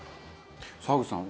沢口さん